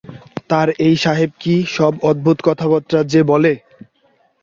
তার এই সাহেব কী-সব অদ্ভুত কথাবার্তা যে বলে!